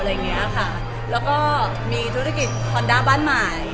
แล้วก็มีธุรกิจฮอนด้าบ้านใหม่